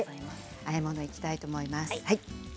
あえ物いきたいと思います。